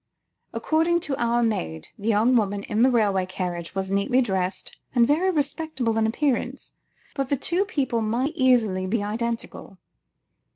According to our maid, the young woman in the railway carriage, was neatly dressed and very respectable in appearance, but the two people might very easily be identical."